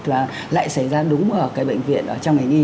và lại xảy ra đúng ở cái bệnh viện trong ngành y